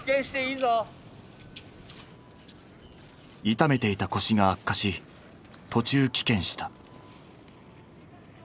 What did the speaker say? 痛めていた腰が悪化し途中棄権した。